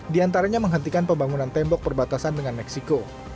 di antaranya menghentikan pembangunan tembok perbatasan dengan meksiko